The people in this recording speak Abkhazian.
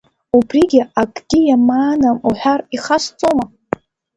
Убригь акгьы иамаанам уҳәар, ихасҵома?